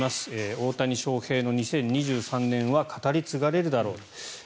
大谷翔平の２０２３年は語り継がれるだろう